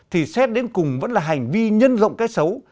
thì xét đến cùng vẫn là hành vi nhân rộng cái xấu